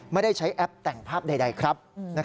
ไม่ได้ใช้แอปแต่งภาพใดครับ